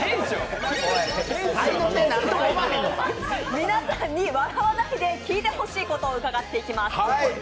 皆さんに笑わないで聞いてほしいことを聞いていきます。